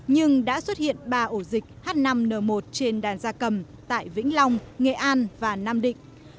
nhưng đã xuất hiện ba ổ dịch h năm n một trên đàn da cầm tại vĩnh long nghệ an và nam định